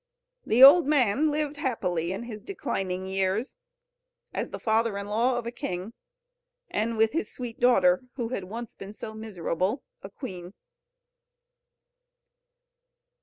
The old man lived happily in his declining years, as the father in law of a king, and with his sweet daughter, who had once been so miserable, a queen.